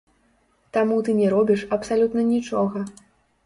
Таму ты не робіш абсалютна нічога.